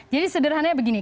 jadi sederhananya begini